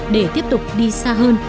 để tiếp tục đi xa hơn